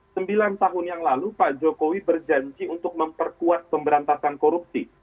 sembilan tahun yang lalu pak jokowi berjanji untuk memperkuat pemberantasan korupsi